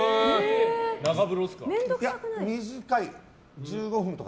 長風呂ですか？